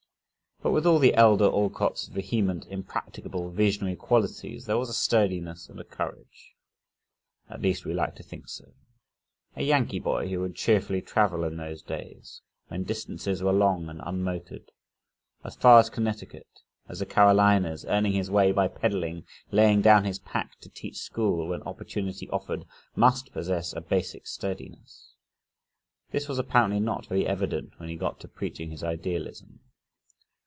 But with all the elder Alcott's vehement, impracticable, visionary qualities, there was a sturdiness and a courage at least, we like to think so. A Yankee boy who would cheerfully travel in those days, when distances were long and unmotored, as far from Connecticut as the Carolinas, earning his way by peddling, laying down his pack to teach school when opportunity offered, must possess a basic sturdiness. This was apparently not very evident when he got to preaching his idealism.